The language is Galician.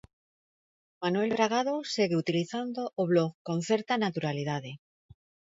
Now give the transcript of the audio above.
Manuel Bragado segue utilizando o blog con certa naturalidade.